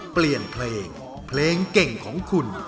เปลี่ยนเพลงเพลงเก่งของคุณ